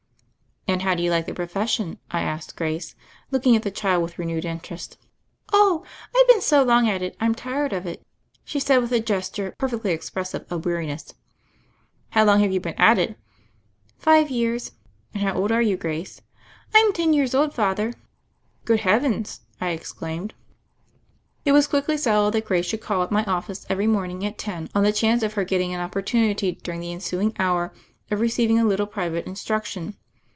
"And how do you like the profession?" I asked Grace, looking at the child with renewed interest. "Oh, I've been so long at it I'm tired of it," she said with a gesture perfectly expressive of weariness. "How long have you been at it?" tive years. "And how old are you, Grace?" THE FAIRY OF THE SNOWS 141 "Fm ten years old, Father 1" "Good heavens 1" I exclaimed. It was quickly settled that Grace should call at my office every morning at ten on the chance of her getting an opportunity during the en suing hour of receiving a little private instruc tion.